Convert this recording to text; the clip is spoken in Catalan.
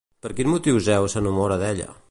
Per quin motiu Zeus s'enamora d'ella?